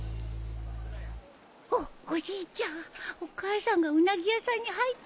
おっおじいちゃんお母さんがウナギ屋さんに入ったよ。